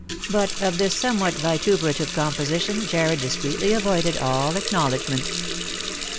But of this somewhat vituperative composition Jarred discreetly avoided all acknowledgment.